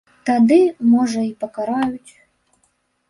Тады, можа, і пакараюць.